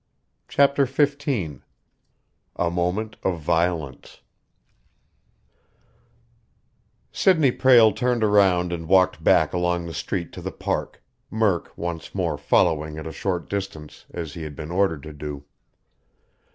CHAPTER XV A MOMENT OF VIOLENCE Sidney Prale turned around and walked back along the street to the Park, Murk once more following at a short distance, as he had been ordered to do.